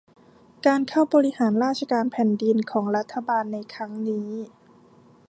การเข้าบริหารราชการแผ่นดินของรัฐบาลในครั้งนี้